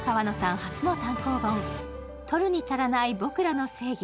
初の単行本「取るに足らない僕らの正義」